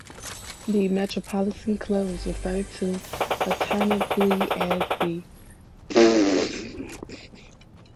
The Metropolitan club was referred to alternately as the "Metropolitan," "Metropolitans" or the "Mets".